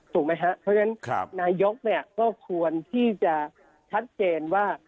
ถูกไหมครับเพราะฉะนั้นนายกเนี่ยก็ควรที่จะชัดเจนว่า